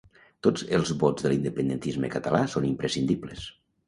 tots els vots de l'independentisme català són imprescindibles